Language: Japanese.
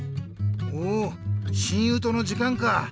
お親友との時間か。